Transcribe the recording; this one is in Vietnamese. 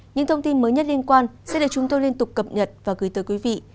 những thông tin mới nhất liên quan sẽ được chúng tôi liên tục cập nhật và gửi tới quý vị